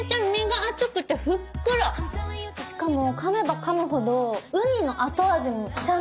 しかも。